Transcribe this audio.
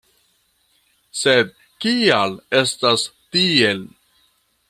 Sed kial estas tiel?